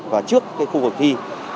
và trước khu vực thi